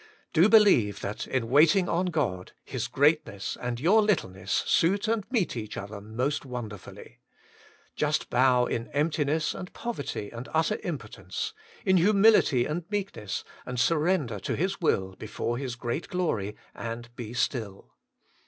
Do believe that in waiting on God, His greatness and your littleness suit and meet each other most wonderfully. Just bow in emptiness and poverty and utter impotence, in humility and meekness, and sur render to Hia will before His great glory, and WAITING ON GODl 109 be still.